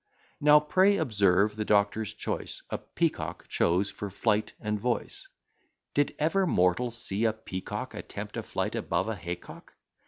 Now, pray, observe the doctor's choice, A Peacock chose for flight and voice; Did ever mortal see a peacock Attempt a flight above a haycock?